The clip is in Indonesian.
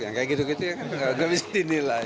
yang kayak gitu gitu ya gak bisa dinilai